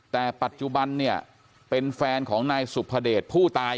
แต่ปัจจุบันเนี่ยเป็นแฟนของนายสุภเดชผู้ตาย